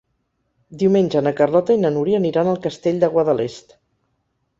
Diumenge na Carlota i na Núria aniran al Castell de Guadalest.